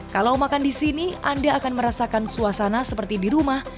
kalau makan di sini anda akan merasakan suasana seperti di rumah